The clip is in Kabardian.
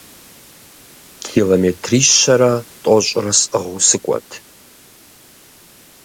Километрищэрэ тӏощӏрэ сӏыгъыу сыкӏуэт.